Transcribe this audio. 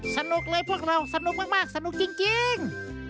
สนุกเลยพวกเราสนุกมากสนุกจริง